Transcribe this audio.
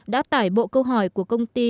đã tải bộ câu hỏi của công ty